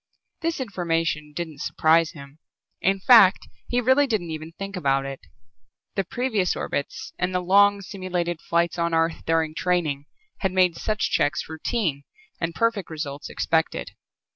This information didn't surprise him, in fact, he really didn't even think about it. The previous orbits and the long simulated flights on Earth during training had made such checks routine and perfect results expected.